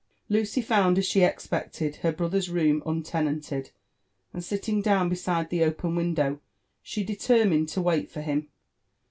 Lucy found, as she expected, her brother's room untenanted; and sitting down beside the open window, she determined to wait for him.